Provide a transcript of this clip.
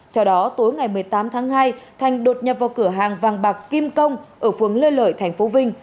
theo đó tối ngày một mươi tám tháng hai thành đột nhập vào cửa hàng vàng bạc kim công ở phường lê lợi tp vinh